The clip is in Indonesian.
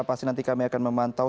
pasti nanti kami akan memantau